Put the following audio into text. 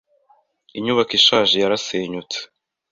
Inyubako ishaje yarasenyutse.